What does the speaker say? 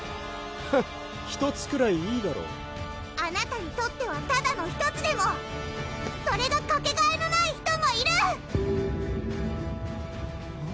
ふん１つくらいいいだろあなたにとってはただの１つでもそれがかけがえのない人もいる！